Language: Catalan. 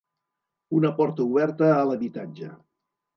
"Una porta oberta a l'habitatge"